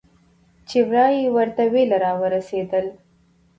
چې ورا یې ورته ویله راورسېدل.